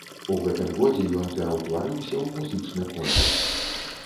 У гэтым годзе ён пераўтварыўся ў музычны конкурс.